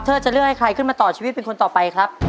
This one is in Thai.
จะเลือกให้ใครขึ้นมาต่อชีวิตเป็นคนต่อไปครับ